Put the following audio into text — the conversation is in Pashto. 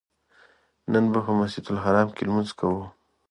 نن به په مسجدالحرام کې لمونځ کوو.